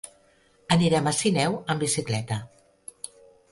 Anirem a Sineu amb bicicleta.